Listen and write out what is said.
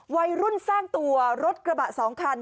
วัยรุ่นสร้างตัวรถกระบะ๒คัน